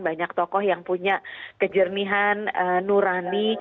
banyak tokoh yang punya kejernihan nurani